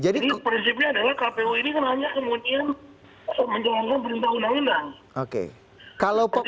jadi prinsipnya adalah kpu ini hanya kemudian menjalankan perintah undang undang